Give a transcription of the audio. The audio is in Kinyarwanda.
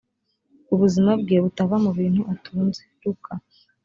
ubuzima bwe butava mu bintu atunze luka